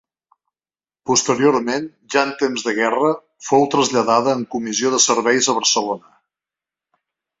Posteriorment, ja en temps de guerra, fou traslladada en comissió de serveis a Barcelona.